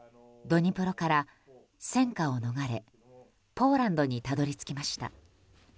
ドニプロから、戦火を逃れポーランドにたどり着きました。